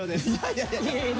いやいやいや！